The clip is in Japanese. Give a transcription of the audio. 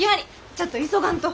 ちょっと急がんと。